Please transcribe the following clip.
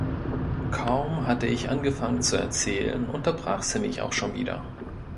Kaum hatte ich angefangen zu erzählen, unterbrach sie mich auch schon wieder.